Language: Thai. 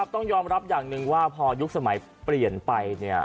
ต้องยอมรับอย่างหนึ่งว่าพอยุคสมัยเปลี่ยนไป